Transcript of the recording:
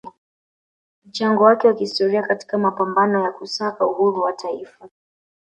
mchango wake wa kihistoria katika mapambano ya kusaka uhuru wa taifa